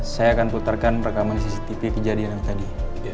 saya akan putarkan rekaman cctv kejadian yang tadi